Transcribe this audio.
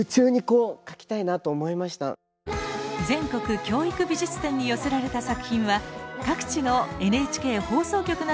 全国教育美術展に寄せられた作品は各地のＮＨＫ放送局などで展示します。